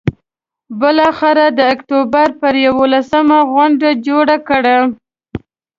بالآخره د اکتوبر پر یوولسمه غونډه جوړه کړه.